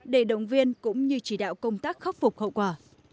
để động viên cũng như chỉ đạo công tác khắc phục hậu quả